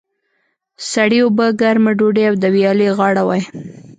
سړې اوبه، ګرمه ډودۍ او د ویالې غاړه وای.